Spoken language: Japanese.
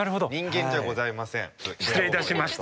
失礼いたしました。